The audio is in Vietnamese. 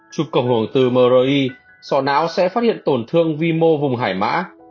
chụp cổng hồn từ mri sọ não sẽ phát hiện tổn thương vi mô vùng hải mã